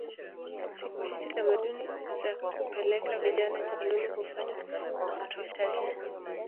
Siku hizi tamaduni za kupeleka vijana jandoni hufanywa na watu wachache